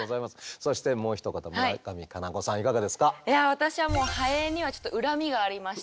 私はもうハエにはちょっと恨みがありまして。